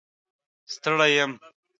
ستړی یم